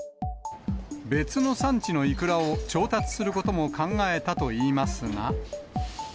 別の産地のいくらを調達することも考えたといいますが。